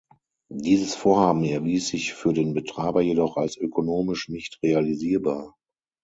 Dieses Vorhaben erwies sich für den Betreiber jedoch als ökonomisch nicht realisierbar.